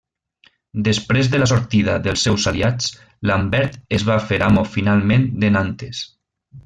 Després de la sortida dels seus aliats, Lambert es va fer amo finalment de Nantes.